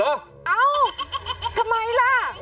เอ้าทำไมล่ะ